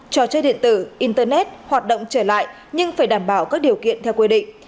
trò chơi điện tử internet hoạt động trở lại nhưng phải đảm bảo các điều kiện theo quy định